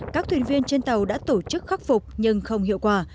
các thuyền viên trên tàu đã tổ chức khắc phục nhưng không hiệu quả